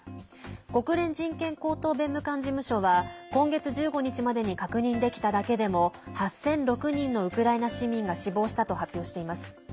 国連人権高等弁務官事務所は今月１５日までに確認できただけでも８００６人のウクライナ市民が死亡したと発表しています。